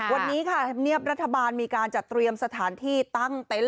วันนี้ค่ะธรรมเนียบรัฐบาลมีการจัดเตรียมสถานที่ตั้งเต็นต์